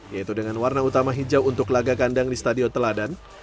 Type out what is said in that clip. yaitu dengan warna utama hijau untuk laga kandang di stadion teladan